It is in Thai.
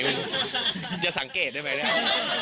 จะสังเกตได้ไหมเนี่ย